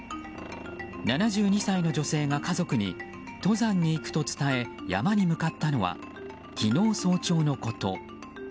７２歳の女性が家族に登山に行くと伝え山に向かったのは昨日早朝のこと。